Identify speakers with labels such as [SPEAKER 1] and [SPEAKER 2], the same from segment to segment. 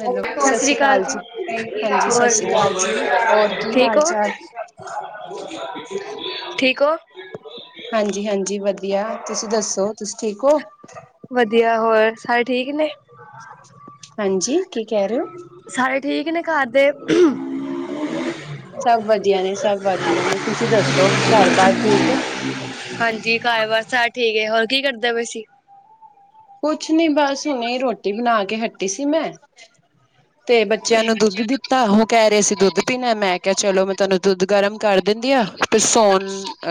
[SPEAKER 1] Hello ਸਤਿ
[SPEAKER 2] ਸਸ ਰੀ
[SPEAKER 1] ਸ੍ਰੀ
[SPEAKER 2] ਕਾਲ
[SPEAKER 1] ਅਕਾਲ
[SPEAKER 2] ਜੀ,
[SPEAKER 1] ਹਾਂਜੀ ਸਤਿ
[SPEAKER 2] ਹੋਰ
[SPEAKER 1] ਸ੍ਰੀ ਅਕਾਲ ਜੀ ਹੋਰ ਕੀ
[SPEAKER 2] ਠੀਕ
[SPEAKER 1] ਹਾਲ
[SPEAKER 2] ਹੋ।
[SPEAKER 1] ਚਾਲ
[SPEAKER 2] ਠੀਕ ਹੋ।
[SPEAKER 1] ਹਾਂਜੀ -ਹਾਂਜੀ ਵਧੀਆ, ਤੁਸੀਂ ਦੱਸੋ ਤੁਸੀ ਠੀਕ ਹੋ।
[SPEAKER 2] ਵਧੀਆ ਹੋਰ ਸਾਰੇ ਠੀਕ ਨੇ।
[SPEAKER 1] ਹਾਂਜੀ, ਕੀ ਕਹਿ ਰਹੇ ਹੋ?
[SPEAKER 2] ਸਾਰੇ ਠੀਕ ਨੇ ਘਰਦੇ।
[SPEAKER 1] ਸਭ ਵਧੀਆ ਨੇ -ਸਭ ਵਧੀਆ ਨੇ, ਤੁਸੀਂ ਦੱਸੋ ਘਰ ਬਾਰ ਠੀਕ ਐ।
[SPEAKER 2] ਹਾਂਜੀ ਘਰ-ਬਾਰ ਸਾਰੇ ਠੀਕ ਐ, ਹੋਰ ਕੀ ਕਰਦੇ ਪਏ ਸੀ।
[SPEAKER 1] ਕੁਛ ਨੀ ਬਸ ਹੁਣੇ ਰੋਟੀ ਬਣਾ ਕੇ ਹਟੀ ਸੀ ਮੈਂ। ਤੇ ਬੱਚਿਆਂ ਨੂੰ ਦੁੱਧ ਦਿੱਤਾ, ਉਹ ਕਹਿ ਰਹੇ ਸੀ ਦੁੱਧ ਪੀਣਾ ਮੈਂ ਕਿਹਾ ਚਲੋ ਮੈਂ ਤੁਹਾਨੂੰ ਦੁੱਧ ਗਰਮ ਕਰ ਦਿੰਦੀ ਆ। ਤੇ ਸੌਣ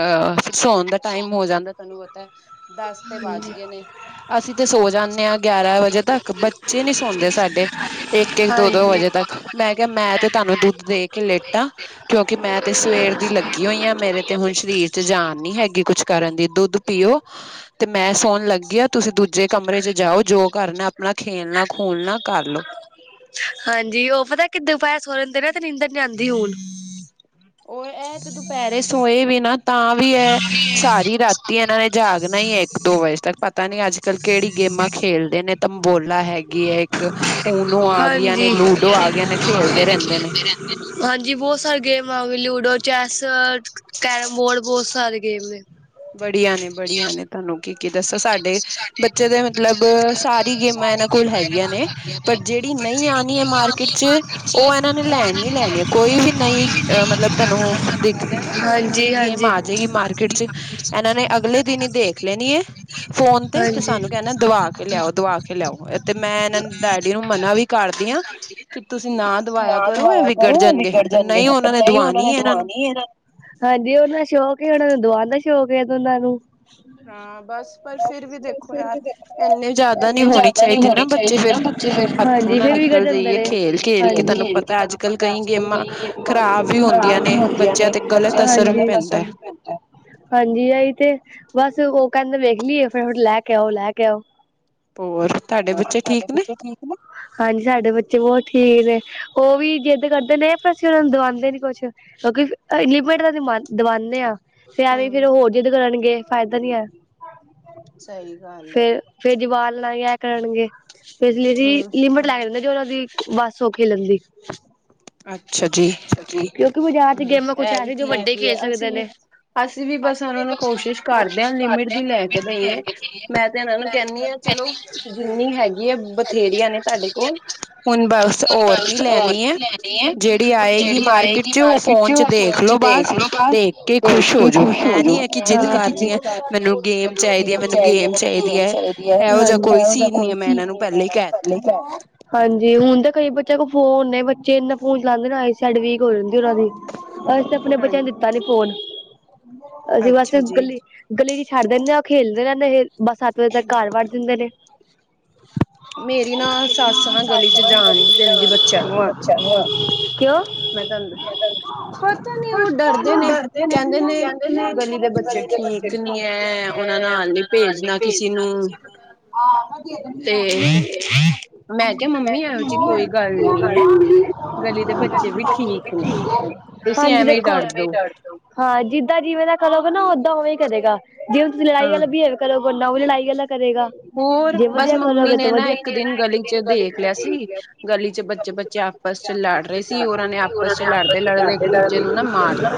[SPEAKER 1] ਅਹ ਸੌਣ ਦਾ ਟਾਈਮ ਹੋ ਜਾਂਦਾ, ਤੁਹਾਨੂੰ ਪਤਾ ਦਸ ਤੇ ਵੱਜ
[SPEAKER 2] ਹਾਂਜੀ
[SPEAKER 1] ਗਏ ਨੇ। ਅਸੀ ਤੇ ਸੋ ਜਾਂਨੇ ਆਂ ਗਿਆਰਾਂ ਵਜੇ ਤੱਕ, ਬੱਚੇ ਨੀ ਸੌਂਦੇ ਸਾਡੇ ਇੱਕ-ਇੱਕ, ਦੋ-ਦੋ
[SPEAKER 2] ਹਾਂਜੀ
[SPEAKER 1] ਵਜੇ ਤੱਕ। ਮੈਂ ਕਿਹਾ ਮੈਂ ਮੈਂ ਤੇ ਤੁਹਾਨੂੰ ਦੁੱਧ ਦੇ ਕੇ ਲੇਟਾ, ਕਿਉਂਕਿ ਮੈਂ ਤੇ ਸਵੇਰ ਦੀ ਲੱਗੀ ਹੋਈ ਹਾਂ ਮੇਰੇ ਤੇ ਹੁਣ ਸਰੀਰ ਚ ਜਾ ਜਾਨ ਨੀ ਹੈਗੀ ਕੁਛ ਕਰਨ ਦੀ, ਦੁੱਧ ਪੀਓ ਤੇ ਮੈਂ ਫੋਨ ਲੱਗਿਆ ਤੁਸੀਂ ਦੂਜੇ ਕਮਰੇ ਚ ਜਾਓ, ਜੋ ਕਰਨਾ ਆਪਣਾ ਖੇਲਣਾ ਖੂਲਣਾ ਕਰ ਲਓ।
[SPEAKER 2] ਹਾਂਜੀ ਉਹ ਪਤਾ ਕਿੱਦਾਂ ਪਏ ਸੋਏ ਰਹਿੰਦੇ, ਤੇ ਨੀਂਦਰ ਨੀ ਆਂਦੀ ਹੁਣ।
[SPEAKER 1] ਉਹ ਇਹ ਤੇ ਦੁਪਹਿਰੇ ਸੋਏ ਵੀ ਨਾ ਤਾਂ ਵੀ ਐ ਸਾਰੀ ਰਾਤੀ ਇਹਨਾਂ ਨੇ ਜਾਗਣਾ ਹੀ ਐ ਇੱਕ ਦੋ ਵਜੇ ਤੱਕ, ਪਤਾ ਨੀ ਅੱਜ -ਕੱਲ੍ਹ ਕਿਹੜੀ ਗੇ ਗੇਮਾਂ ਖੇਲਦੇ ਨੇ ਤੰਬੋਲਾ ਹੈਗੀ ਐ ਇੱਕ ਊਨੋ ਆ ਗਈਆਂ ਨੇ,
[SPEAKER 2] ਹਾਂਜੀ
[SPEAKER 1] ਲੂਡੋ ਆ ਗਈ ਨੇ ਖੇਲ
[SPEAKER 2] ਹਾਂਜੀ ਬਹੁਤ ਸਾਰੇ game ludo, chess, carrom board ਬਹੁਤ ਸਾਰੇ ਗੇਮ ਨੇ।
[SPEAKER 1] ਬੜੀਆ ਨੇ ਬੜੀਆ ਨੇ ਤੁਹਾਨੂੰ ਕੀ ਕੀ ਦੱਸਾਂ ਸਾਡੇ ਬੱਚੇ ਦੇ ਮਤਲਬ ਸਾਰੀ ਗੇਮਾਂ ਇਹਨਾਂ ਕੋਲ ਹੈਗੀਆਂ ਨੇ, ਪਰ ਜਿਹੜੀ ਨਈ ਆਣੀ ਹੈ ਮਾਰਕੀਟ ਚ ਉਹ ਇਹਨਾਂ ਨੇ ਲੈਣੀ ਹੀ ਲੈਣੀ ਐ, ਕੋਈ ਵੀ ਨਈ ਮਤਲਬ ਤੁਹਾਨੂੰ ਦੇਖਦੇ ਹੈ ਨਾ ਕੋਈ ਨਈ
[SPEAKER 2] ਹਾਂਜੀ
[SPEAKER 1] ਗੇਮ
[SPEAKER 2] ਹਾਂਜੀ
[SPEAKER 1] ਆ ਜੇਗੀ ਮਾਰਕੀਟ ਚ ਇਹਨਾਂ ਨੇ ਅਗਲੇ ਦਿਨ ਹੀ ਦੇਖ ਲੈਣੀ ਐ। ਫੋਨ ਤੇ
[SPEAKER 2] ਹਾਂਜੀ
[SPEAKER 1] ਸਾਨੂੰ ਕਹਿੰਦੇ ਦਵਾ ਕੇ ਲਿਆਓ ਦਵਾ ਕੇ ਲਿਆਓ, ਤੇ ਮੈਂ ਇਹਨਾਂ ਡੈਡੀ ਨੂੰ ਮਨਾ ਵੀ ਕਰ ਕਰਦੀ ਆਂ ਕਿ ਤੁਸੀਂ ਨਾ ਦਵਾਇਆ ਕਰੋ ਇਹ ਵਿਗੜ ਜਾਣਗੇ, ਪਰ ਨਹੀਂ ਉਹਨਾਂ ਨੇ ਦਵਾਣੀ ਹੈ ਇਹਨਾਂ ਨੂੰ।
[SPEAKER 2] ਹਾਂਜੀ ਉਹਨਾਂ ਦਾ ਸ਼ੌਕ ਐ, ਉਹਨਾਂ ਨੂੰ ਦਵਾਉਣ ਦਾ ਸ਼ੌਕ ਐ ਉਹਨਾਂ ਨੂੰ।
[SPEAKER 1] ਹਾਂ ਬ
[SPEAKER 2] ਫਿਰ ਵੀ
[SPEAKER 1] ਇੰਨੇ
[SPEAKER 2] ਦੇਖ
[SPEAKER 1] ਜ਼ਿਆਦਾ ਨਹੀਂ
[SPEAKER 2] ਇੰਨੇ
[SPEAKER 1] ਹੋਣੀ
[SPEAKER 2] ਜ਼ਿਆਦਾ ਨੀ
[SPEAKER 1] ਨਾ
[SPEAKER 2] ਹੋਣੀ
[SPEAKER 1] ਬੱਚੇ
[SPEAKER 2] ਚਾਹੀਦੀ ਨਾ
[SPEAKER 1] ਫਿਰ
[SPEAKER 2] ਬੱਚੇ ਫੇਰ,
[SPEAKER 1] ਹੱਥੋਂ
[SPEAKER 2] ਹਾਂਜੀ।
[SPEAKER 1] ਨਾ
[SPEAKER 2] ਵਿਗੜ
[SPEAKER 1] ਨਿਕਲ
[SPEAKER 2] ਜਾਂਦੇ
[SPEAKER 1] ਜਾਈਏ
[SPEAKER 2] ਨੇ
[SPEAKER 1] ਖੇਲ ਕੇ ਤੁਹਾਨੂੰ
[SPEAKER 2] ਖੇਲ ਕੇ
[SPEAKER 1] ਅੱਜ
[SPEAKER 2] ਤੂੰ
[SPEAKER 1] ਕੱਲ
[SPEAKER 2] ਪਤਾ
[SPEAKER 1] ਕਈ
[SPEAKER 2] ਅੱਜ- ਕੱਲ੍ਹ
[SPEAKER 1] ਗੇਮਾਂ
[SPEAKER 2] ਕਈ
[SPEAKER 1] ਖ਼ਰਾਬ ਵੀ
[SPEAKER 2] ਗੇਮਾਂ
[SPEAKER 1] ਹੁੰਦੀਆਂ
[SPEAKER 2] ਖਰਾਬ
[SPEAKER 1] ਨੇ
[SPEAKER 2] ਜੀ
[SPEAKER 1] ਬੱਚਿਆਂ
[SPEAKER 2] ਹਾਂਜੀ
[SPEAKER 1] ਤੇ ਗ਼ਲਤ
[SPEAKER 2] ਬੱਚਿਆਂ ਤੇ
[SPEAKER 1] ਅਸਰ ਵੀ
[SPEAKER 2] ਗਲਤ
[SPEAKER 1] ਪੈਂਦਾ ਹੈ
[SPEAKER 2] ਅਸਰ ਵੀ ਪੈਂਦਾ, ਹਾਂਜੀ ਆਈ ਤੇ ਬਸ ਉਹ ਕਹਿੰਦੇ ਵੇਖਲੀਏ ਫਿਰ ਹੁਣ ਲੈ ਕੇ ਆਓ, ਲੈ ਕੇ ਆਓ।
[SPEAKER 1] ਹੋਰ
[SPEAKER 2] ਹੋਰ
[SPEAKER 1] ਬੱਚੇ
[SPEAKER 2] ਤੁਹਾਡੇ
[SPEAKER 1] ਠੀਕ ਨੇ
[SPEAKER 2] ਬੱਚੇ ਠੀਕ ਨੇ, ਹਾਂਜੀ ਸਾਡੇ ਬੱਚੇ ਬਹੁਤ ਠੀ ਠੀਕ ਨੇ ਉਹ ਵੀ ਜਿੱਦ ਕਰਦੇ ਨੇ, ਪਰ ਅਸੀਂ ਉਹਨਾਂ ਨੂੰ ਦਵਾਂਦੇ ਨੀ ਕੁਛ ਕਿਉਂਕਿ ਲਿਮਿਟ ਦਾ ਦਵਾ ਦਵਾਨੇ ਆਂ, ਤੇ ਐਵੇਂ ਫੇਰ
[SPEAKER 1] ਹਮ
[SPEAKER 2] ਉਹ ਹੋਰ ਜਿੱਦ ਕਰਨਗੇ ਫਾਇਦਾ ਨੀ ਐ।
[SPEAKER 1] ਸਹੀ ਗੱਲ ਹੈ
[SPEAKER 2] ਫੇਰ ਫੇਰ ਜਵਾਲ ਲੈ ਕੇ ਆਇਆ ਕਰਨਗੇ ਫਿਰ ਇਸ ਲਈ ਜੀ
[SPEAKER 1] ਹਮ
[SPEAKER 2] ਲਿਮਿਟ ਲੈ ਕੇ ਦਿੰਦੇ ਜੋ ਉਹਨਾ ਦੀ ਬੱਸ ਸੋਖੀ ਲੰਗਦੀ
[SPEAKER 1] ਅੱਛਾ ਜੀ
[SPEAKER 2] ਬਾਜ਼ਾਰ ਚ
[SPEAKER 1] ਚਲੋ
[SPEAKER 2] ਗੇਮਾਂ ਕੁਛ
[SPEAKER 1] ਐਹ ਵੀ
[SPEAKER 2] ਐਸੀ ਜੋ ਵੱਡੇ
[SPEAKER 1] ਠੀਕ ਈ ਐ
[SPEAKER 2] ਖੇਲ
[SPEAKER 1] ਅਸੀ
[SPEAKER 2] ਸਕਦੇ
[SPEAKER 1] ਵੀ
[SPEAKER 2] ਨੇ।
[SPEAKER 1] ਅਸੀਂ ਵੀ ਬਸ ਉਹਨਾਂ ਨੂੰ ਕੋਸ਼ਿਸ਼ ਕਰਦੇ ਹਾਂ ਲਿਮਿਟ ਦੀ ਲੈ ਕਿ ਦਈਏ ਮੈ ਤੇ ਇਹਨਾਂ ਨੂੰ ਕੈਨੀ ਆ ਚਲੋ ਜਿੰਨੀ ਹੈਗੀ ਐ ਬਥੇਰੀਆਂ ਨੇ ਤੁਹਾਡੇ ਕੋਲ ਹੁਣ ਬਸ ਓਰ ਨੀ ਲੈਣੀ ਐ ਜਿਹੜੀ ਆਏਗੀ ਮਾਰਕੀਟ ਚ ਉਹ ਫੋਨ ਚ ਦੇਖਲੋ ਬਸ ਦੇਖ ਕੇ ਖੁਸ਼ ਹੋਜੋ ਐ ਹੈ ਨੀ ਐਹ ਕਿ ਜਿਦ ਕਰਨੀ ਐ ਮੈਨੂੰ ਗੇਮ ਚਾਈਦੀ ਐ ਮੈਨੂੰ ਗੇਮ ਚਾਈਦੀ ਐ ਇਹੋ ਜਿਹਾ ਕੋਈ ਸੀਨ ਨੀ ਐ ਮੈਂ ਇਹਨਾਂ ਨੂੰ ਪਹਿਲੇ ਈ ਕੈਤਾ
[SPEAKER 2] ਹਾਂਜੀ, ਹੁਣ ਤਾਂ ਕਈ ਬੱਚਿਆਂ ਕੋਲ ਫੋਨ ਨੇ ਬੱਚੇ ਇਨਾ ਫੋਨ ਚਲਾਉਂਦੇ ਨੇ ਆਈ ਸੈਡ ਵੀਕ ਹੋ ਜਾਂਦੀ ਉਹਨਾਂ ਦੀ ਅਸੀ ਤੇ ਆਪਣੇ ਬੱਚਿਆਂ
[SPEAKER 1] ਹਾਂਜੀ
[SPEAKER 2] ਨੂੰ ਦਿੱਤਾ ਨੀ ਫੋਨ ਅਸੀਂ ਬਸ
[SPEAKER 1] ਅੱਛਾ ਜੀ
[SPEAKER 2] ਗਲੀ, ਗਲੀ ਚ ਛੱਡ ਦਿੰਨੇ ਆ ਉਹ ਖੇਲਦੇ ਰੈਂਦੇ ਫੇਰ ਬਸ ਸੱਤ ਵਜੇ ਤੱਕ ਘਰ ਵੜ ਜਾਂਦੇ ਨੇ।
[SPEAKER 1] ਮੇਰੀ ਨਾ ਸੱਸ ਨਾ ਗਲੀ ਚ ਜਾਨ ਨੀ ਦਿੰਦੀ ਬੱਚਿਆਂ ਨੂੰ ਆ
[SPEAKER 2] ਕਿਆ
[SPEAKER 1] ਪਤਾ ਨੀ ਉਹ ਡਰਦੇ ਨੇ ਕਹਿੰਦੇ ਨੇ ਗਲੀ ਦੇ ਬੱਚੇ ਠੀਕ ਠੀਕ ਨੀ ਐ
[SPEAKER 2] ਉਹਨਾਂ ਨੂੰ ਹਾਲ ਨੀ ਭੇਜਣਾ ਕਿਸੇ ਨੂੰ ਹਮ,
[SPEAKER 1] ਤੇ
[SPEAKER 2] ਮੈਂ
[SPEAKER 1] ਮੈਂ ਕਿਹਾ ਮੰਮੀ
[SPEAKER 2] ਤੇ
[SPEAKER 1] ਇਹੋ ਜਿਹੀ ਕੋਈ ਗੱਲ ਨੀ ਹੈ
[SPEAKER 2] ਮੰਮੀ
[SPEAKER 1] ਗਲੀ ਦੇ
[SPEAKER 2] ਆ
[SPEAKER 1] ਬੱਚੇ ਵੀ ਠੀਕ ਨੇ ਤੁਸੀਂ
[SPEAKER 2] ਹਾਂਜੀ
[SPEAKER 1] ਐਵੇਂ ਹੀ
[SPEAKER 2] ਦੇਖੋ
[SPEAKER 1] ਡਰ ਦੋ
[SPEAKER 2] ਹਾਂ ਜਿੱਦਾਂ ਜਿਵੇਂ ਦਾ ਕਰੋਗਾ ਨਾ ਓਦਾਂ ਉਵੇਂ ਕਰੇਗਾ ਜਿਵੇਂ ਤੁਸੀਂ ਲੜਾਈ
[SPEAKER 1] ਹਾਂ
[SPEAKER 2] ਵਾਲਾ ਬਿਹੇਵ ਕਰੋਗੇੋ ਓਨਾ ਉਹ ਵੀ ਲੜਾਈ ਵਾਲਾ ਕਰੇਗਾ
[SPEAKER 1] ਹੋਰ
[SPEAKER 2] ਜੇ
[SPEAKER 1] ਬਸ
[SPEAKER 2] ਵਧੀਆ
[SPEAKER 1] ਮੰਮੀ
[SPEAKER 2] ਕਰੋਗੇ ਤੇ
[SPEAKER 1] ਨੇ ਨਾ
[SPEAKER 2] ਵਧੀਆ
[SPEAKER 1] ਇੱਕ ਦਿਨ ਗਲੀ ਚ ਦੇਖ ਲਿਆ ਸੀ ਗਲੀ ਚ ਬੱਚੇ ਬੱਚੇ ਲੜ
[SPEAKER 2] ਆਪਸ
[SPEAKER 1] ਰਹੇ
[SPEAKER 2] ਚ ਪਿਆਰ [inaudible]
[SPEAKER 1] ਸੀ ਉਹਨਾਂ
[SPEAKER 2] ਆਪਸ
[SPEAKER 1] ਨੇ ਲੜਦੇ
[SPEAKER 2] ਚ [inaudible]
[SPEAKER 1] ਲੜਦੇ ਇੱਕ ਦੂਜੇ ਨੂੰ ਨਾ ਮਾਰਤਾ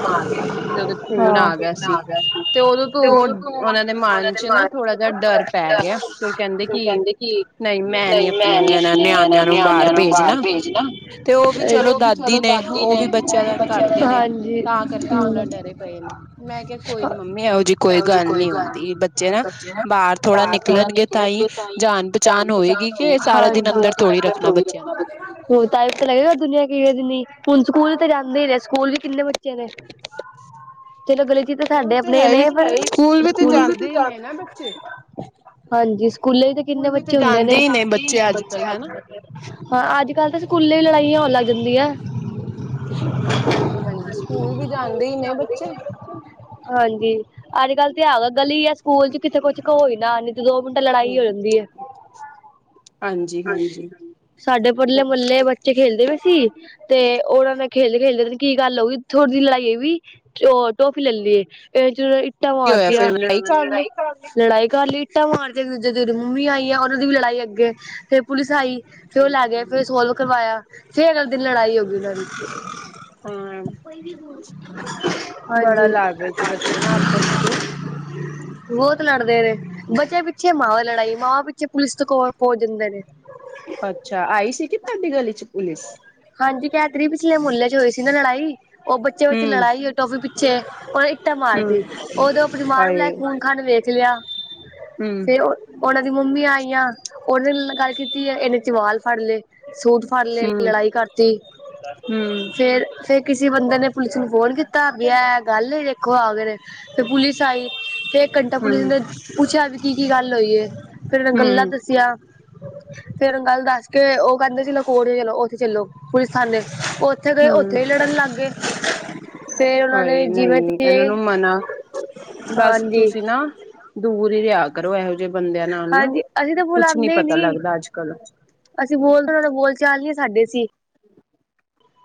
[SPEAKER 2] ਆ ਗਿਆ ਸੀ
[SPEAKER 1] ਉਦੋਂ ਤੋਂ
[SPEAKER 2] ਤੇ ਉਹ ਤੋ ਉਹਨਾਂ
[SPEAKER 1] ਮਨ
[SPEAKER 2] ਦੇ
[SPEAKER 1] ਚ ਨਾ ਥੋੜਾ ਜਿਹਾ ਡਰ
[SPEAKER 2] ਮਾਰਚ
[SPEAKER 1] ਪੈ
[SPEAKER 2] ਨਾ
[SPEAKER 1] ਗਿਆ
[SPEAKER 2] [inaudible]
[SPEAKER 1] ਤੇ
[SPEAKER 2] ਉਹ
[SPEAKER 1] ਕਿ
[SPEAKER 2] ਕਹਿੰਦੇ ਕਿ
[SPEAKER 1] ਨਹੀਂ ਮੈਂ ਨੀ
[SPEAKER 2] ਨਈ ਮੈ ਨੀ ਆਪਣੇ
[SPEAKER 1] ਨਿਆਣਿਆਂ
[SPEAKER 2] ਨਿਆਣਿਆਂ ਨੂੰ ਬਾਹਰ
[SPEAKER 1] ਭੇਜਣਾ
[SPEAKER 2] ਭੇਜਨਾ
[SPEAKER 1] ਤੇ
[SPEAKER 2] ਉਹ ਵੀ ਚਲੋ ਦਾਦੀ ਨੇ ਉਹ ਵੀ
[SPEAKER 1] ਦਾ
[SPEAKER 2] ਬੱਚਿਆਂ
[SPEAKER 1] ਕਰਦੇ
[SPEAKER 2] ਦਾ
[SPEAKER 1] ਨੇ ਤਾਂ ਕਰਕੇ ਥੋੜਾ ਡਰੇ ਪਏ ਮੈਂ ਕਿਹਾ ਕੋਈ ਨੀ ਮੰਮੀ ਇਹੋ ਜਿਹੀ ਕੋਈ ਗੱਲ ਨੀ ਹੁੰਦੀ ਬੱਚੇ ਨਾ ਬਾਹਰ ਥੋੜਾ ਨਿਕ ਨਿਕਲਣਗੇ ਤਾਂ ਹੀ ਜਾਨ ਪਚਾਣ ਹੋਏਗੀ ਕਿ ਸਾਰਾ ਦਿਨ ਅੰਦਰ ਥੋੜੀ ਰੱਖਣਾ ਬੱਚਿਆਂ ਨੂੰ
[SPEAKER 2] ਟਾਈਪ ਤਾਂ ਲੱਗੇਗਾ ਦੁਨੀਆਂ ਕਿਵੇਂ ਜਿਨੀ ਹੁਣ ਸਕੂਲ ਤੇ ਜਾਂਦੇ ਈ ਰਹੇ ਸਕੂਲ ਵੀ ਕਿੰਨੇ ਬੱਚੇ ਚਲੇ, ਚਲੋ ਗਲੇ ਚ ਤੇ
[SPEAKER 1] ਨੂੰ ਉਹ
[SPEAKER 2] ਸਾਡੇ ਆਪਣੇ
[SPEAKER 1] ਹੈ ਹੀ
[SPEAKER 2] ਨੇ ਪਰ
[SPEAKER 1] ਸਕੂਲ ਵੀ ਤੇ ਜਾਂਦੇ ਹੀ ਨੇ ਨਾ ਬੱਚੇ
[SPEAKER 2] ਹਾਂਜੀ ਸਕੂਲੇ ਤੇ ਕਿੰਨੇ
[SPEAKER 1] ਸਕੂਲ ਵੀ ਤੇ
[SPEAKER 2] ਬੱਚੇ ਹੁੰਦੇ
[SPEAKER 1] ਜਾਂਦੇ
[SPEAKER 2] ਨੇ
[SPEAKER 1] ਹੀ ਬੱਚੇ ਅੱਜ ਕੱਲ ਹਨਾ
[SPEAKER 2] ਹਾਂ ਅੱਜ ਕੱਲ ਤੇ ਸਕੂਲੇ ਈ ਲੜਾਈ ਕਿ ਹੋਣ ਲਗ ਜਾਂਦੀ ਐ।
[SPEAKER 1] ਹਾਂਜੀ, ਹਾਂਜੀ ਸਕੂਲ ਵੀ ਜਾਂਦੇ ਈ ਨੇ ਬੱਚੇ
[SPEAKER 2] ਹਾਂਜੀ ਅੱਜ ਕੱਲ੍ਹ ਤੇ ਹੈਗਾ ਗਲੀ ਆ ਸਕੂਲ ਚ ਕਿਥੇ ਕੁੱਛ ਕੋ ਈ ਨਾ ਤੇ ਦੋ ਮਿੰਟ ਲੜਾਈ ਹੋ ਜਾਂਦੀ ਐ।
[SPEAKER 1] ਹਾਂਜੀ-ਹਾਂਜੀ
[SPEAKER 2] ਸਾਡੇ ਪਰਲੇ
[SPEAKER 1] ਕੀ
[SPEAKER 2] ਮਹੱਲੇ ਬੱਚੇ ਚੇ ਖੇਲਦੇ ਪਏ ਸੀ ਤੇ ਉਹਨਾਂ ਨਾਲ ਖੇਲਦੇ-ਖੇਲਦੇ ਪਤਾ ਨੀ ਕੀ ਗੱਲ ਹੋਗੀ ਥੋੜੀ ਜਿਹੀ ਲੜਾਈ ਵੀ ਉਹ ਟੋਫੀ ਲੈ ਲੀ ਇਹ ਚ ਇੱਟਾਂ
[SPEAKER 1] ਹੋਇਆ
[SPEAKER 2] ਮਾਰਤੀਆਂ
[SPEAKER 1] ਫਿਰ ਲੜਾਈ ਕਰ ਲਈ
[SPEAKER 2] ਲੜਾਈ ਕਰ ਲਈ ਇੱਟਾਂ ਮਾਰ ਤੇ ਇੱਕ ਦੂਜੇ ਦੇ ਮੰਮੀ ਆਈ ਐ ਉਹਨਾਂ ਦੀ ਵੀ ਲੜਾਈ ਅੱਗੇ ਤੇ ਪੁਲਿਸ ਆਈ ਫੇਰ ਉਹ ਲੈ ਗਏ ਫੇਰ ਸੋਲਵ ਕਰਵਾਇਆ ਫੇਰ ਅਗਲੇ ਦਿਨ ਲੜਾਈ ਹੋ ਗਈ ਉਹਨਾਂ ਦੀ
[SPEAKER 1] ਹਾਂ ਬੜਾ
[SPEAKER 2] ਹਾਂਜੀ
[SPEAKER 1] ਲੜ ਰਹੇ ਸੀ ਬੱਚੇ ਨਾ ਆਪਸ ਚ
[SPEAKER 2] ਬਹੁਤ ਲੜਦੇ ਨੇ ਬੱਚਿਆਂ ਪਿੱਛੇ ਮਾਵਾ ਲੜਾਈ ਮਾਵਾਂ ਪਿੱਛੇ ਪੁਲਿਸ ਤੋਂ ਕਾੱਲ ਪੋਚ ਜਾਂਦੇ ਨੇ
[SPEAKER 1] ਅੱਛਾ, ਆਈ ਸੀ ਕਿ ਤੁਹਾਡੀ ਗਲੀ ਚ ਪੁਲਿਸ
[SPEAKER 2] ਹਾਂਜੀ, ਕਹਿ ਤੇ ਰੀ ਪਿਛਲੇ ਮੁੱਲੇ ਚ ਹੋਈ ਸੀ ਨਾ ਲੜਾਈ ਉਹ ਬੱਚੇ ਬੱਚੇ
[SPEAKER 1] ਹੂੰ-ਹੂੰ
[SPEAKER 2] ਲੜਾਈ ਟੋਫੀ ਪਿੱਛੇ ਉਹ ਈ ਟਾ ਮਾਰਤੀ ਉਦੋਂ ਆਪਣੀ ਮਾਰ ਨੂੰ ਲੈ
[SPEAKER 1] ਹਾਏ
[SPEAKER 2] ਕੇ ਖੂਨ ਖਾਨ ਵੇਖ ਲਿਆ ਫੇਰ ਓ ਉਹਨਾਂ ਦੇ ਦੀ ਮੰਮੀ ਆਈਆਂ ਉਹਨੇ ਗੱਲ ਕੀਤੀ ਆ ਏਨੇ ਚ ਵਾਲ ਫੜ ਲਏ ਸੁ ਫਰਲੇ ਲੜਾਈ ਕਰਤੀ, ਫੇਰ ਫੇਰ ਕਿਸੇ ਬੰਦੇ ਨੇ ਪੁਲਿਸ ਨੇ ਫੋਨ ਕੀਤਾ, ਵਿਆ ਏ ਗੱਲ ਐ, ਵੇਖੋ ਆ ਕੇ ਤੇ ਪੁਲਿਸ ਆਈ ਏਕ ਘੰਟਾ ਪੁਲਿਸ ਨੇ
[SPEAKER 1] ਹੂੰ-ਹੂੰ-ਹੂੰ-ਹੂੰ-ਹੂੰ
[SPEAKER 2] ਪੁੱਛਿਆ ਵੀ ਕੀ ਕੀ ਗੱਲ ਹੋਈ ਐ ਫੇਰ ਉਹ ਨੇ ਗੱਲਾਂ ਦੱਸੀਆ ਫੇਰ ਗੱਲ ਦੱਸ ਕੇ ਉਹ ਕਹਿੰਦੇ ਸੀ ਚਲੋ ਉੱਥੇ ਚਲੋ, ਪੁਲਿਸ ਥਾਨੇ ਉੱਥੇ ਗਏ ਉੱਥੇ ਲੜਨ ਲੱਗ ਗਏ ਫੇਰ ਉਹਨਾਂ ਨੇ
[SPEAKER 1] ਹਾਏ ਨਈ
[SPEAKER 2] ਜਿਵੇਂ
[SPEAKER 1] ਇਹਨਾ
[SPEAKER 2] ਤਿਵੇਂ
[SPEAKER 1] ਨੂੰ ਮਨਾ ਬਸ
[SPEAKER 2] ਹਾਂਜੀ
[SPEAKER 1] ਤੁਸੀਂ ਨਾ ਦੂਰ ਹੀ ਰਿਹਾ ਕੇ
[SPEAKER 2] ਹਾਂਜੀ, ਅਸੀਂ ਤੇ
[SPEAKER 1] ਕੁਛ
[SPEAKER 2] ਬੁਲਾਂਦੇ ਈ
[SPEAKER 1] ਪਤਾ
[SPEAKER 2] ਨੀ,
[SPEAKER 1] ਲੱਗਦਾ ਅੱਜ ਕੱਲ
[SPEAKER 2] ਅਸੀਂ ਬੋਲਦੇ [unintelligible] ਬੋਲ ਚਾਲ ਨੀ ਸਾਡੇ ਸੀ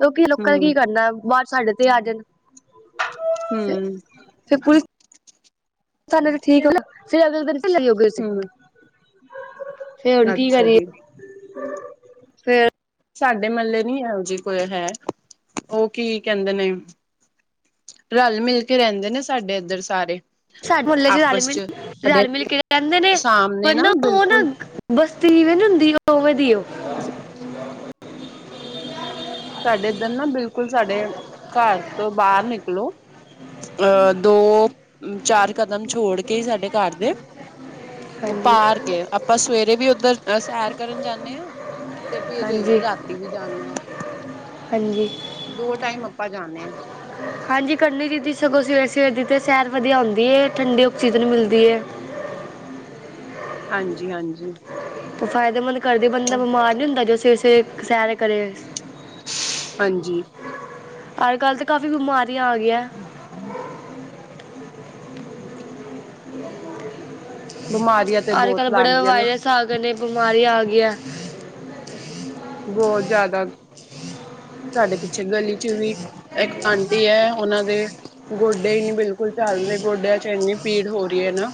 [SPEAKER 2] ਲੋਕੀ ਲੋਕਾਂ ਨੇ ਕੀ ਕਰਨਾ ਬਾਹਰ ਸਾਡੇ ਤੇ ਆ ਜਨ ਫ
[SPEAKER 1] ਹੂੰ-ਹੂੰ-ਹੂੰ
[SPEAKER 2] ਫੇਰ ਪੁਲਿਸ ਸਾਨੂੰ ਤੇ ਠੀਕ ਮਲਬ, ਫਿਰ ਅਗਲੇ ਦਿਨ ਫੇਰ ਫਰੀ ਹੋ ਗੇ ਸੀ ਫੇ ਹੁਨ ਕੀ
[SPEAKER 1] ਅੱਛਾ
[SPEAKER 2] ਕਰੀਏ,
[SPEAKER 1] ਜੀ
[SPEAKER 2] ਫੇਰ
[SPEAKER 1] ਸਾਡੇ ਮਹਲੇ ਨੀ ਇਹੋ ਜੀ ਕੋਈ ਹੈ, ਉਹ ਕੀ ਕਹਿੰਦੇ ਨੇ ਰਲ ਮਿਲ ਕੇ ਰਹਿੰਦੇ ਨੇ ਸਾਡੇ ਏਧਰ ਸਾਰੇ
[SPEAKER 2] ਸਾਡੇ ਮੁਹੱਲੇ ਚ ਰਲ
[SPEAKER 1] ਆਪਸ
[SPEAKER 2] ਮਿਲ
[SPEAKER 1] ਸਾਡੇ
[SPEAKER 2] ਰਲ ਮਿਲ [unintelligible] ਰਹਿੰਦੇ ਨੇ
[SPEAKER 1] ਸਾਹਮਣੇ
[SPEAKER 2] ਪਰ ਨਾ ਉਹ ਨਾ
[SPEAKER 1] ਬਿਲਕੁਲ
[SPEAKER 2] ਬ ਤਵੇਨ ਨੀ ਹੁੰਦੀ ੳ ਵੇ ਦੀ ੳ
[SPEAKER 1] [inaudible] ਸਾਡੇ ਏਧਰ ਨਾ ਬਿਲਕੁਲ ਸਾਡੇ ਘਰ ਤੋਂ ਬਾਹਰ ਨਿਕਲੋ ਅਹ ਦੋ ਚਾਰ ਕਦਮ ਛੋੜ ਕੇ ਹੀ ਸਾਡੇ ਘਰ ਦੇ ਉਹ
[SPEAKER 2] ਹਾਂਜੀ
[SPEAKER 1] ਪਾਰ ਕੇ ਆਪਾਂ ਸਵੇਰੇ ਵੀ ਉੱਧਰ ਸੈਰ ਕਰਨ ਜਾਂਨੇ ਆ ਤੇ ਫਿਰ
[SPEAKER 2] ਹਾਂਜੀ
[SPEAKER 1] ਰਾਤੀ ਵੀ ਜਾਂਨੇ ਆ
[SPEAKER 2] ਹਾਂਜੀ
[SPEAKER 1] ਆਪਾਂ ਜਾਂਨੇ ਆ
[SPEAKER 2] ਹਾਂਜੀ ਕਰਨੀ ਦੀਦੀ ਸਗੋਂ ਸਵੇਰੇ ਸਵੇਰੇ ਦੀ ਤੇ ਸੈਰ ਵਧੀਆ ਹੁੰਦੀ ਐ, ਠੰਡੀ ਔਕਸੀਜਨ ਮਿਲਦੀ ਏ
[SPEAKER 1] ਹਾਂਜੀ ਹਾਂਜੀ
[SPEAKER 2] ਉਹ ਫਾਇਦੇਮੰਦ ਕਰਦੀ ਬੰਦਾ ਬਿਮਾਰ ਨੀ ਹੁੰਦਾ ਜੋ ਸੇ ਸੇ ਸੈਰੇ ਕਰੇ
[SPEAKER 1] ਹਾਂਜੀ
[SPEAKER 2] ਅਜ ਕੱਲ ਤੇ ਕਾਫੀ ਬਿਮਾਰੀਆਂ ਆ ਗੀਏ
[SPEAKER 1] ਬਿਮਾਰੀਆਂ ਤੇ
[SPEAKER 2] ਅੱਜ ਕੱਲ
[SPEAKER 1] ਬਹੁਤ ਲੱਗ
[SPEAKER 2] ਬੜੇ
[SPEAKER 1] ਗਈਆਂ ਨੇ
[SPEAKER 2] ਵਾਇਰਸ ਆ ਗਏ ਨੇ, ਬਿਮਾਰੀਆਂ ਆ ਗਈ [unintelligible]
[SPEAKER 1] ਬਹੁਤ ਜ਼ਿਆਦਾ ਸਾਡੇ ਪਿੱਛੇ ਗਲੀ ਚ ਵੀ ਇੱਕ ਆਂਟੀ ਏ ਉਹਨਾਂ ਦੇ ਗੋਡੇ ਈ ਨੀ ਬਿਲਕੁਲ ਚੱਲ ਦੇ, ਗੋਡਿਆਂ ਚ ਏਨੀ ਪੀੜ ਹੋ ਰਹੀ ਏ ਨਾ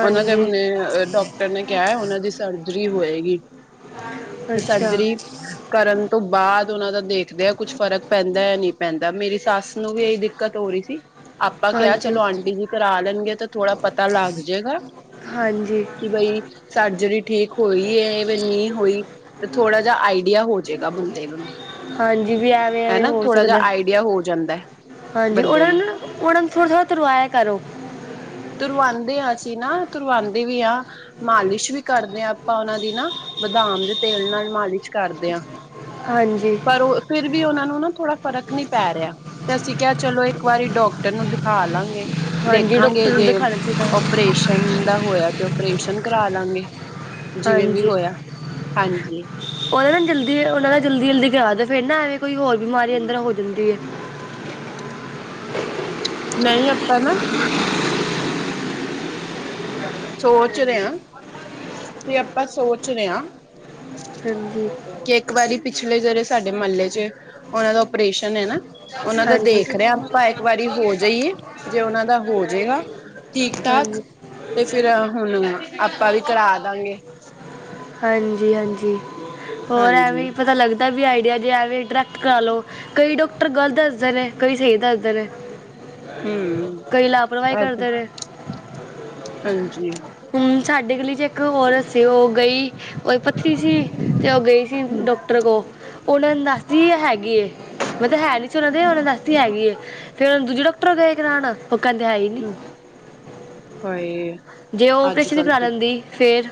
[SPEAKER 1] ਉਹਨਾਂ ਦੇ ਹੁਨੇ ਡਾਕਟਰ ਨੇ ਕਿਹਾ ਉਹਨਾਂ ਦੀ ਸਰਜਰੀ ਹੋਏਗੀ ਤੇ
[SPEAKER 2] ਅੱਛਾ
[SPEAKER 1] ਸਰਜਰੀ ਕਰਨ ਤੋਂ ਬਾਅਦ ਉਹਨਾਂ ਦਾ ਦੇਖਦੇ ਆ ਕੁੱਛ ਫ਼ਰਕ ਪੈਂਦਾ ਯਾ ਨੀ ਪੈਂਦਾ ਮੇਰੀ ਸੱਸ ਨੂੰ ਵੀ ਏਹੀ ਦਿੱਕਤ ਹੋ ਰੀ ਸੀ ਆਪਾਂ ਕਿਹਾ,
[SPEAKER 2] ਹਾਂਜੀ
[SPEAKER 1] ਚਲੋ ਆਂਟੀ ਜੀ ਕਰਾ ਲੈਨਗੇ ਤੇ ਥੋੜ੍ਹਾ ਪਤਾ ਲੱਗ ਜਾਏਗਾ
[SPEAKER 2] ਹਾਂਜੀ
[SPEAKER 1] ਕਿ ਬਈ ਸਰਜਰੀ ਠੀਕ ਹੋਈ ਏ ਵੀ ਨਹੀਂ ਹੋਈ ਤੇ ਥੋੜਾ ਜਾ ਆਈਡੀਆ ਹੋਜੇਗਾ ਬੰਦੇ ਨੂੰ
[SPEAKER 2] ਹਾਂਜੀ ਵੀ ਐਵੇਂ-ਐਵੇਂ
[SPEAKER 1] ਹਨਾ
[SPEAKER 2] ਹੋ
[SPEAKER 1] ਥੋੜਾ ਜਿਹਾ
[SPEAKER 2] ਸਕਦੇ
[SPEAKER 1] ਆਈਡੀਆ ਹੋ ਜਾਂਦਾ ਹੈ
[SPEAKER 2] ਹਾਂਜੀ ਉਹਨਾਂ ਨੂੰ ਉਹਨਾਂ ਨੂੰ ਥੋੜਾ-ਥੋੜਾ ਤੁਰਾਯਾ ਕਰੋ
[SPEAKER 1] ਤੁਰਵਾਂਦੇ ਆ ਅਸੀਂ ਨਾ ਤੁਰਵਾਦੇ ਵੀ ਆ, ਮਾਲਿਸ਼ ਵੀ ਕਰਦੇ ਹਾਂ ਆਪਾਂ ਉਹਨਾਂ ਦੀ ਨਾ ਆਮ ਦੇ ਤੇਲ ਨਾਲ ਮਾਲਿਸ਼ ਕਰਦੇ ਹ
[SPEAKER 2] ਹਾਂਜੀ
[SPEAKER 1] ਪਰ ਉਹ ਫਿਰ ਵੀ ਉਹਨਾ ਨੂੰ ਨਾ ਥੋੜਾ ਫਰਕ ਨੀ ਪੈ ਰਿਹਾ ਤੇ ਅਸੀਂ ਕਿਹਾ ਚਲੋ ਇੱਕ ਵਾਰੀ ਡਾਕਟਰ ਨੂੰ ਦਿਖਾ ਖਾ ਲਾਂਗੇ,
[SPEAKER 2] ਹਾਂਜੀ
[SPEAKER 1] ਦੇਖਾਂਗੇ
[SPEAKER 2] ਡਾਕਟਰ ਨੂੰ
[SPEAKER 1] ਜੇ
[SPEAKER 2] ਦਿਖਾਣਾ ਚਾਹੀਦਾ
[SPEAKER 1] ਓਪਰੇਸ਼ਨ ਦਾ ਹੋਇਆ ਤੇ ਓਪਰੇਸ਼ਨ ਕਰਾ ਲਾਂਗੇ ਜਿਵੇਂ ਵੀ
[SPEAKER 2] ਹਾਂਜੀ
[SPEAKER 1] ਹੋਇਆ ਹਾਂਜੀ
[SPEAKER 2] ਉਹਦੇ ਨਾਲ ਜਲਦੀ ਉਹਨਾਂ ਦਾ ਜਲਦੀ-ਜਲਦੀ ਕਰਦ ਫਿਰ ਨਾ ਐਵੇਂ ਕੋਈ ਹੋਰ ਬਿਮਾਰੀ ਅੰਦਰ ਹੋ ਜਾਂਦੀ ਹੈ
[SPEAKER 1] ਨਹੀਂ ਆਪਾਂ ਨਾ ਸੋਚ ਰੇ ਆ, ਤੇ ਆਪਾਂ ਸੋਚ ਰਹੇ ਹਾਂ
[SPEAKER 2] ਹਾਂਜੀ
[SPEAKER 1] ਕਿ ਇੱਕ ਵਾਰੀ ਪਿਛਲੇ ਜਿਹੜੇ ਸਾਡੇ ਮਹੱਲੇ ਚ ਉਹਨਾਂ ਦਾ ਔਪਰੇਸ਼ਨ ਹੈ ਨਾ, ਉਹਨਾਂ ਦਾ
[SPEAKER 2] ਹਾਂਜੀ
[SPEAKER 1] ਦੇਖ ਰਹੇ ਆਪਾਂ ਇੱਕ ਵਾਰੀ ਹੋ ਜਾਈਏ, ਜੇ ਉਹਨਾਂ ਦਾ ਹੋ ਜਾਏਗਾ ਠੀਕ ਠਾਕ,
[SPEAKER 2] ਹਾਂਜੀ
[SPEAKER 1] ਤੇ ਫਿਰ ਹੁਣ ਆਪਾਂ ਵੀ ਕਰਾ ਦਾਂਗੇ
[SPEAKER 2] ਹਾਂਜੀ-ਹਾਂਜੀ ਹੋਰ
[SPEAKER 1] ਹਾਂਜੀ
[SPEAKER 2] ਐਵੇਂ ਪਤਾ ਲੱਗਦਾ ਵੀ ਆਈਡੀਆ ਜੇ ਐਵੇਂ ਡਾਇਰੈਕਟ ਕਰਾ ਲੋ, ਕਈ ਡਾਕਟਰ ਗਲਤ ਦੱਸਦੇ ਨੇ ਕਈ ਸਹੀ ਦੱਸਦੇ ਨੇ
[SPEAKER 1] ਹਮ
[SPEAKER 2] ਕਈ ਲਾਪਰਵਾਹੀ
[SPEAKER 1] ਐ ਤੇ
[SPEAKER 2] ਕਰਦੇ ਰਹੇ
[SPEAKER 1] ਹਾਂਜੀ
[SPEAKER 2] ਹੂ ਸਾਡੇ ਗਲੀ ਇੱਕ ਔਰਤ ਸੀ, ਔ ਗਈ ਉਹਦੀ ਪੱਥਰੀ ਸੀ ਤੇ ਉਹ ਗਈ ਸੀ
[SPEAKER 1] ਹਮ
[SPEAKER 2] ਡਾਕਟਰ ਕੋਲ ਉਹਨਾਂ ਨੂੰ ਦੱਸਦੀ ਹੈਗੀ ਹੈ ਮੈਂ ਤਾਂ ਹੈ ਨੀ ਸੀ ਉਹਨਾ ਦੇ, ਉਹੇ ਦੱਸਦੀ ਹੈਗੀ ਏ, ਫੇਰ ਉਹ ਦੂਜੇ ਡਾਕਟਰ ਗਏ ਕਰਉਣ ਔ ਕਹਿੰਦੇ ਹੈ ਹੀ ਨੀ
[SPEAKER 1] ਹਮ ਹਾਏ
[SPEAKER 2] ਜੇ ਉਹ
[SPEAKER 1] ਅੱਜ
[SPEAKER 2] ਔਪਰੇਸ਼ਨ
[SPEAKER 1] ਕੱਲ
[SPEAKER 2] ਕਰਾ
[SPEAKER 1] ਤੇ
[SPEAKER 2] ਲੈਂਦੀ ਫੇਰ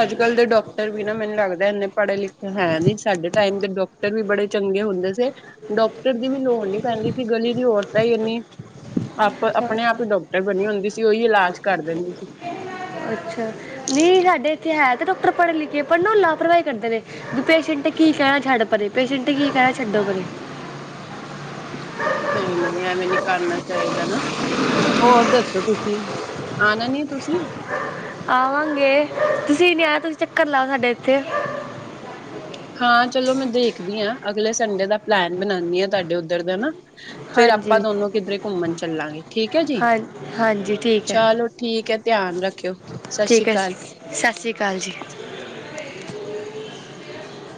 [SPEAKER 1] ਅੱਜ ਕਲ ਦੇ ਡਾਕਟਰ ਵੀ ਨਾ, ਮੈਨੂੰ ਲੱਗਦਾ ਇੰਨੇ ਪੜ੍ਹੇ ਲਿਖੇ ਹੈ ਨੀ, ਸਾਡੇ ਟਾਈਮ ਦੇ ਡਾਕਟਰ ਵੀ ਬੜੇ ਚੰਗੇ ਹੁੰਦੇ ਸੀ, ਡਾਕਟਰ ਦੀ ਵੀ ਲੋੜ ਨਹੀ ਪੈਂਦੀ ਸੀ ਗਲੀ ਦੀ ਔਰਤਾਂ ਹੀ ਇਨੀ ਆਪ
[SPEAKER 2] ਅੱਛਾ
[SPEAKER 1] ਆਪਣੇ ਆਪ ਹੀ ਡਾਕਟਰ ਬਣੀ ਹੁੰਦੀ ਸੀ, ਔਹੀ ਇਲਾਜ ਕਰ ਦਿੰਦੇ ਸੀ
[SPEAKER 2] ਅੱਛਾ ਨਹੀਂ ਹੈ ਹੈ ਤੇ ਡਾਕਟਰ ਪੜ੍ਹਨ ਲਿਖੇ, ਪਰ ਨਾ ਲਾਪਰਵਾਹੀ ਕਰਦੇ ਨੇ, ਵੀ ਪੇਸ਼ੈਂਟ ਕੀ ਕਹਿਣਾ ਛੱਡ ਪਰੇ ਪੇਸ਼ੈਂਟ ਕੀ ਕਹਿਣਾ ਛੱਡੋ ਪਰੇ
[SPEAKER 1] ਨਹੀਂ-ਨਹੀਂ ਐਵੇਂ ਨਹੀ ਕਰਨਾ ਚਾਹੀਦਾ ਨਾ ਹੋਰ ਦੱਸੋ ਤੁਸੀਂ, ਆਣਾ ਨੀ ਤੁਸੀਂ
[SPEAKER 2] ਆਵਾਂਗੇ ਤੁਸੀਂ ਨੀ ਆਯੇ, ਤੁਸੀਂ ਚੱਕਰ ਲਾਓ ਸਾਡੇ ਇੱਥੇ
[SPEAKER 1] ਹਾਂ ਚਲੋ ਮੈਂ ਦੇਖਦੀ ਹਾਂ ਅਗਲੇ ਸੰਡੇ ਦਾ ਪਲੈਨ ਬਣਾਉਂਦੀ ਹਾਂ ਤੁਹਾਡੇ ਉੱਧਰ ਦਾ ਨਾ। ਫੇਰ ਆਪਾਂ
[SPEAKER 2] ਹਾਂਜੀ
[SPEAKER 1] ਦੋਨੋ ਕਿੱਧਰੇ ਘੁੰਮਣ ਚੱਲਾਂਗੇ, ਠੀਕ ਹੈ ਜੀ
[SPEAKER 2] ਹਾਂ ਹਾਂਜੀ ਠੀਕ ਹੈ
[SPEAKER 1] ਚਲੋ ਠੀਕ ਹੈ, ਧਿਆਨ ਰੱਖਿਓ, ਸਤਿ ਸ੍ਰੀ
[SPEAKER 2] ਠੀਕ ਹੈ
[SPEAKER 1] ਅਕਾਲ
[SPEAKER 2] ਸਤਿ ਸ੍ਰੀ ਅਕਾਲ ਜੀ